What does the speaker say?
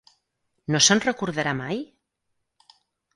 No se'n recordarà mai?